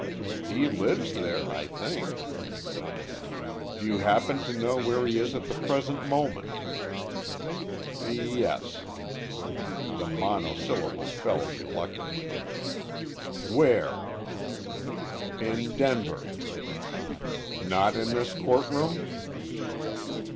"He lives there, I think." "Do you happen to know where he is at the present moment?" "Yes." The monosyllable fell reluctantly. "Where?" "In Denver." "Not in this court room?"